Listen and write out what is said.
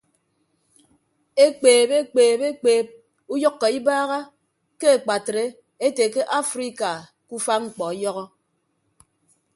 Ekpeeb ekpeeb ekpeeb uyʌkkọ ibaaha ke akpatre ete ke afrika ke ufa mkpọ ọyọhọ.